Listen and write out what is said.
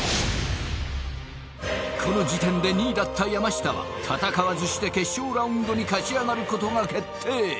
この時点で２位だった山下は戦わずして決勝ラウンドに勝ち上がることが決定